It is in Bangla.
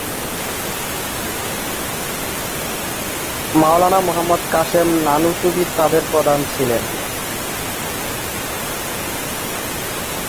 মাওলানা মুহাম্মদ কাসেম নানুতুবি তাদের প্রধান ছিলেন।